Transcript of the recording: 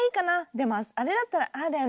「でもあれだったらああだよね」